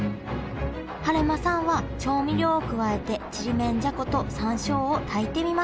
晴間さんは調味料を加えてちりめんじゃこと山椒を炊いてみました